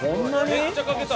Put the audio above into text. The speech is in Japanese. めっちゃかけた！